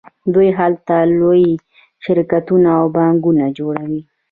دوی هلته لوی شرکتونه او بانکونه جوړوي